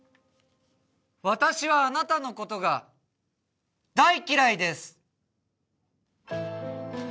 私はあなたのことが大嫌いです